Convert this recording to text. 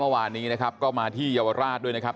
เมื่อวานนี้นะครับก็มาที่เยาวราชด้วยนะครับ